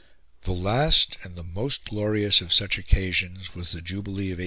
The last and the most glorious of such occasions was the Jubilee of 1897.